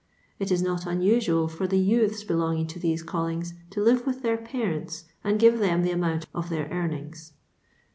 It if not unusnal for the youths belonging to these callings to live with their parents and give them the amount of their earnings.